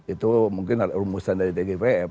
itu mungkin rumusan dari tgpf